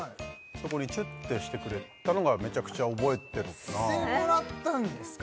そこにチュッてしてくれたのがめちゃくちゃ覚えてるかなしてもらったんですか？